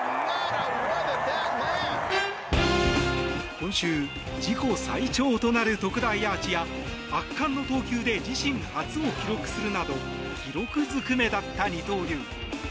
今週、自己最長となる特大アーチや圧巻の投球で自身初を記録するなど記録ずくめだった二刀流。